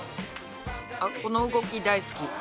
あっこの動き大好き。